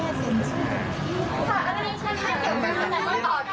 อีกหัวเด็กลูกพาไปแล้ว